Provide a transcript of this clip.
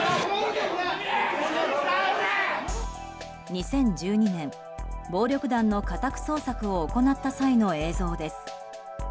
２０１２年、暴力団の家宅捜索を行った際の映像です。